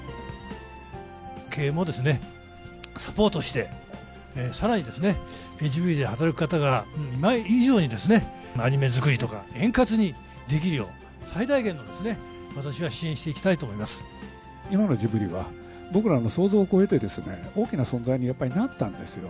経営もサポートして、さらにですね、ジブリで働く方が今以上にですね、アニメ作りとか、円滑にできるよう、最大限のですね、私は支援し今のジブリは、僕らの想像を超えて大きな存在にやっぱりなったんですよ。